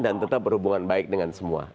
dan tetap berhubungan baik dengan semua